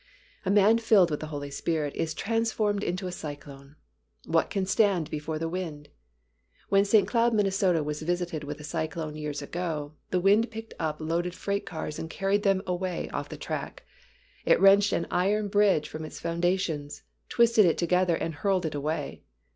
A man filled with the Holy Spirit is transformed into a cyclone. What can stand before the wind? When St. Cloud, Minn., was visited with a cyclone years ago, the wind picked up loaded freight cars and carried them away off the track. It wrenched an iron bridge from its foundations, twisted it together and hurled it away.